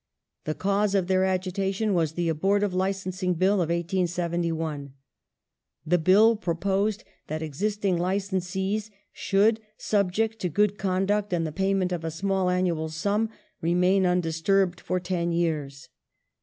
The cause of their agitation was the abortive Licensing Bill of 1871. The Bill proposed that existing licensees should, subject to good conduct and the payment of a small annual sum, remain undisturbed for ten years.